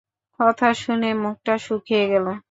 কথা শুনে, মুখটা শুকিয়ে গেলো।